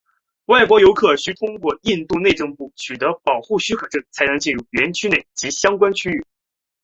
外国游客需通过印度内政部取得保护区许可证才能进入园区内及相关地区。